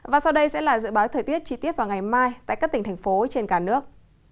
và sau đây sẽ là dự báo thời tiết chi tiết vào ngày mai tại các tỉnh thành phố trên cả nước